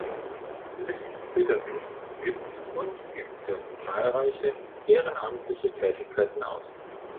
List-Petersen übt und übte zahlreiche ehrenamtliche Tätigkeiten aus.